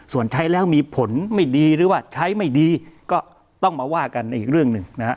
ส่วนใช้แล้วมีผลไม่ดีหรือว่าใช้ไม่ดีก็ต้องมาว่ากันในอีกเรื่องหนึ่งนะฮะ